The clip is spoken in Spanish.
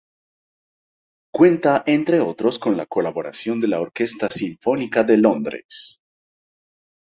Cuenta entre otros con la colaboración de la Orquesta Sinfónica de Londres.